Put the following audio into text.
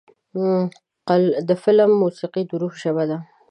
د فلم موسیقي د روح ژبه ده.